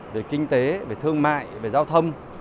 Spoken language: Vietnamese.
về kinh tế về thương mại về giao thâm